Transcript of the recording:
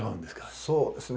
そうですね